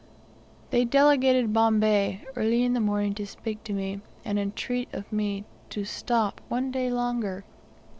They delegated Bombay early in the morning to speak to me, and entreat of me to stop one day longer.